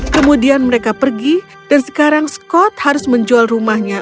kemudian mereka pergi dan sekarang skot harus menjual rumahnya